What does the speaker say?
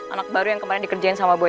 anak baru yang kemarin dikerjain sama boy